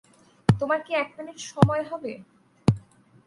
তোমার কি এক মিনিট সময় হবে?